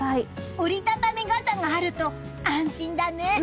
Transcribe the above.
折り畳み傘があると安心だね。